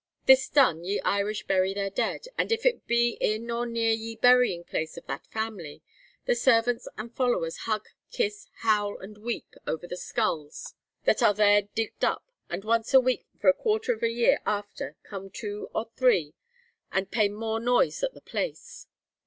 'This done y{e} Irish bury their dead, and if it be in or neer y{e} burying place of that family, the servants and followers hugg kiss howle and weep over the skulls that are there digg'd up and once a week for a quarter of an year after come two or three and pay more noyse at the place.'